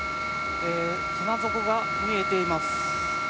船底が見えています。